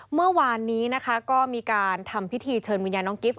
เมื่อวานนี้นะคะก็มีการทำพิธีเชิญวิญญาณน้องกิฟต